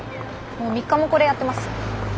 もう３日もこれやってます。